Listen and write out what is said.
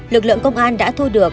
lực lượng công an đã thu được